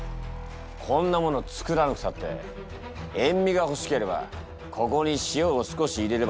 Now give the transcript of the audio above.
こんなもの作らなくたって塩味がほしければここに塩を少し入れればすむことだ。